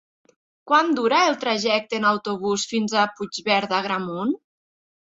Quant dura el trajecte en autobús fins a Puigverd d'Agramunt?